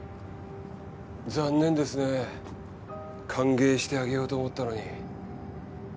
残念ですねえ歓迎してあげようと思ったのに。